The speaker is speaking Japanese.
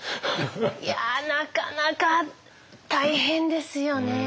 いやなかなか大変ですよね。